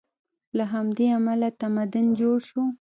له همدې امله تمدن جوړ شو.